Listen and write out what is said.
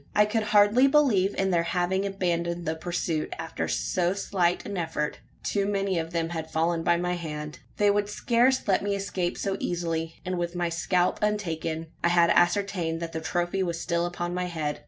I could hardly believe in their having abandoned the pursuit, after so slight an effort. Too many of them had fallen by my hand. They would scarce let me escape so easily, and with my scalp untaken: I had ascertained that the trophy was still upon my head.